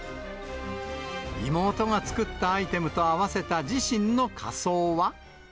妹が作ったアイテムと合わせた自身の仮装は。